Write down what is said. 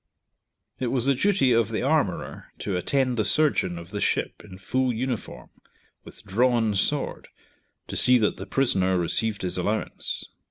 It was the duty of the armorer to attend the surgeon of the ship in full uniform, with drawn sword, to see that the prisoner received his allowance.